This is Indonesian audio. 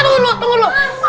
aduh liat nih prakaryanya